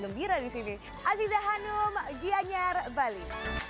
gembira di sini aziza hanum gianyar bali